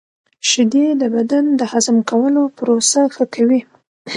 • شیدې د بدن د هضم کولو پروسه ښه کوي.